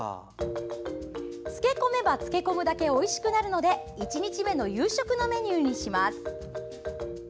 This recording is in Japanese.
漬け込めば漬け込むだけおいしくなるので１日目の夕食のメニューにします。